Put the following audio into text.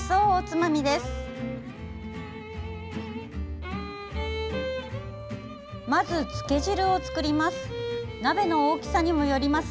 まず、つけ汁を作ります。